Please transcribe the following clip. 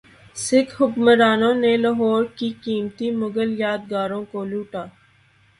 سکھ حکمرانوں نے لاہور کی قیمتی مغل یادگاروں کو لوٹا